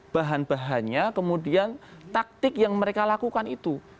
bahan bahannya kemudian taktik yang mereka lakukan itu